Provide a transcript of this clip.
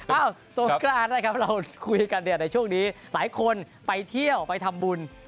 สงกรานนะครับเราคุยกันเนี่ยในช่วงนี้หลายคนไปเที่ยวไปทำบุญ